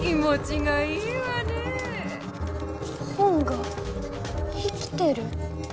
本が生きてる？